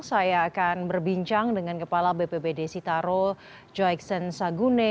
saya akan berbincang dengan kepala bppd sitaro joiksen sagune